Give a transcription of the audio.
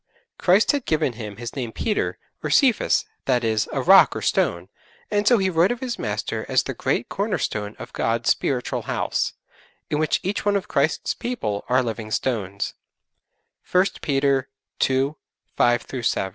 Christ had given him his name 'Peter' or 'Cephas,' that is, a rock or stone, and so he wrote of his Master as the great Corner stone of God's spiritual house, in which each one of Christ's people are living stones, (1 Peter ii. 5 7.)